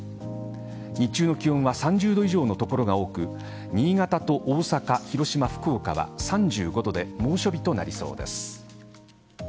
日中の気温は３０度以上の所が多く新潟と大阪、広島、福岡は３５度で猛暑日となりそうです。